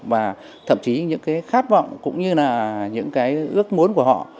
và thậm chí những cái khát vọng cũng như là những cái ước muốn của họ